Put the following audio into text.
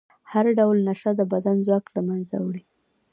هر ډول نشه د بدن ځواک له منځه وړي.